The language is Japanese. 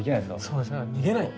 そうですよね逃げない。